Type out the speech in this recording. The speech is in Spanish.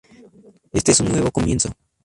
Este es un nuevo comienzo.